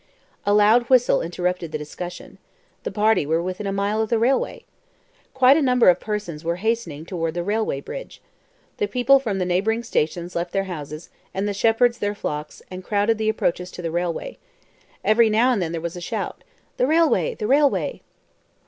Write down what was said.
A loud whistle interrupted the discussion. The party were within a mile of the railway. Quite a number of persons were hastening toward the railway bridge. The people from the neighboring stations left their houses, and the shepherds their flocks, and crowded the approaches to the railway. Every now and then there was a shout, "The railway! the railway!"